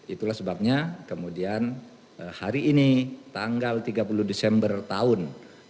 itulah sebabnya kemudian hari ini tanggal tiga puluh desember tahun dua ribu dua puluh